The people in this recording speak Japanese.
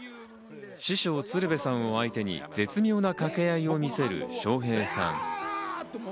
師匠・鶴瓶さんを相手に絶妙な掛け合いを見せる笑瓶さん。